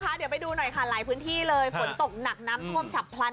เดี๋ยวไปดูหน่อยค่ะหลายพื้นที่เลยฝนตกหนักน้ำท่วมฉับพลัน